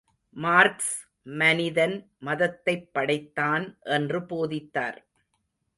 Marks, மனிதன் மதத்தைப் படைத்தான் என்று போதித்தார்.